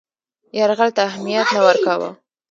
یرغل ته اهمیت نه ورکاوه.